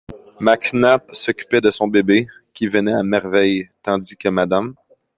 Mac Nap s’occupait de son bébé, qui venait à merveille, tandis que Mrs.